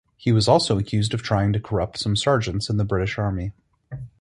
He was also accused of trying to corrupt some sergeants in the British Army.